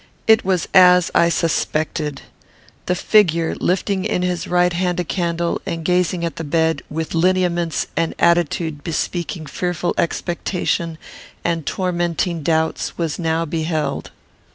It was as I suspected. The figure, lifting in his right hand a candle, and gazing at the bed, with lineaments and attitude bespeaking fearful expectation and tormenting doubts, was now beheld.